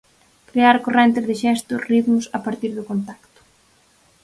Crear correntes de xestos, ritmos, a partir do contacto.